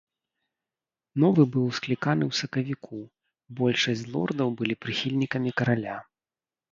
Новы быў скліканы ў сакавіку, большасць з лордаў былі прыхільнікамі караля.